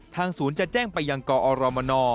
ศูนย์จะแจ้งไปยังกอรมน